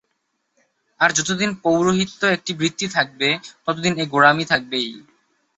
আর যতদিন পৌরোহিত্য একটি বৃত্তি থাকবে, ততদিন এ গোঁড়ামি থাকবেই।